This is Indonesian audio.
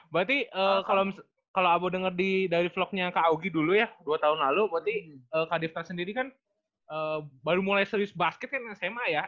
berarti kalau abu dengar dari vlognya kak ugy dulu ya dua tahun lalu berarti kak diftar sendiri kan baru mulai serius basket kan sma ya